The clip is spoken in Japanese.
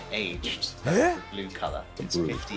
えっ！